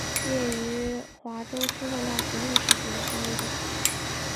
毕业于华中师范大学历史学专业。